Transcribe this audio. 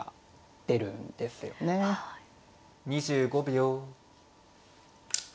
２５秒。